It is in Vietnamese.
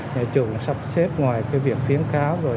nhà chùa cũng sắp xếp ngoài cái việc tiếng cáo rồi